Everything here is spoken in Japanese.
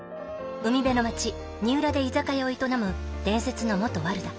海辺の町二浦で居酒屋を営む伝説の元ワルだ。